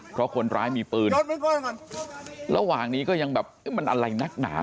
เพราะคนร้ายมีปืนระหว่างนี้ก็ยังแบบเอ๊ะมันอะไรนักหนา